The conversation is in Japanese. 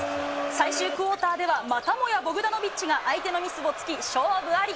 最終クオーターでは、またもやボグダノビッチが相手のミスをつき、勝負あり。